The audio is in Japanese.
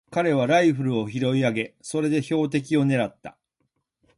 彼はライフルを拾い上げ、それで標的をねらった。